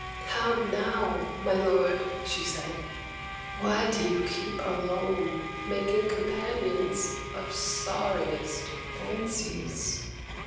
"How now, my lord?" she said. "Why do you keep alone, making companions of sorriest fancies?